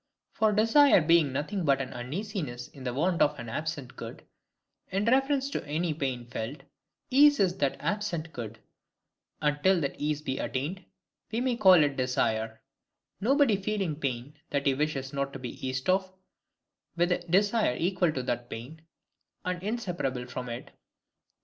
For desire being nothing but an uneasiness in the want of an absent good, in reference to any pain felt, ease is that absent good; and till that ease be attained, we may call it desire; nobody feeling pain that he wishes not to be eased of, with a desire equal to that pain, and inseparable from it.